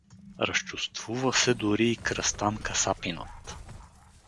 Разчувствува се дори и Кръстан касапинът.